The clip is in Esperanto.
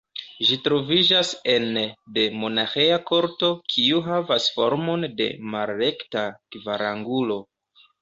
Ĝi troviĝas ene de monaĥeja korto, kiu havas formon de malrekta kvarangulo.